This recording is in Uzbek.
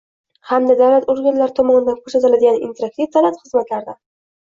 hamda davlat organlari tomonidan ko‘rsatiladigan interaktiv davlat xizmatlaridan